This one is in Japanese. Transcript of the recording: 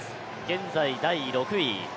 現在、第６位。